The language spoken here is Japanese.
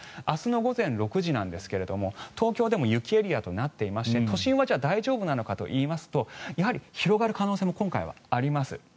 明日の午前６時なんですが東京でも雪エリアとなっていまして都心は大丈夫なのかといいますと広がる可能性も今回はあります。